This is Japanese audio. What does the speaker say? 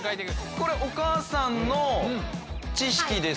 これお母さんの知識ですよね？